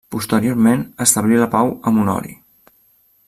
Posteriorment establí la pau amb Honori.